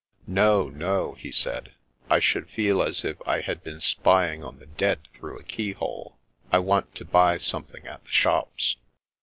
" No, no," he said, " I should feel as if I had been spying on the dead through a keyhole. I want to buy something at the shops."